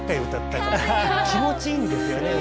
気持ちいいんですよね。